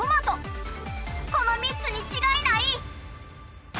この３つにちがいない！